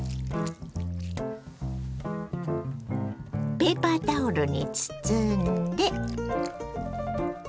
ペーパータオルに包んで。